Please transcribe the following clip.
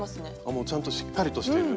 もうちゃんとしっかりとしてる。